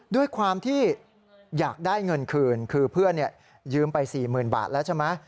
ด้วยความที่อยากได้เงินคืนคือเพื่อนยืมไป๔๐๐๐บาทแล้วใช่ไหม